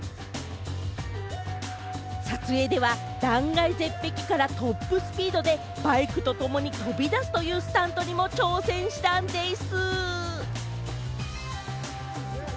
撮影では断崖絶壁からトップスピードでバイクとともに飛び出すというスタントにも挑戦したんでぃす！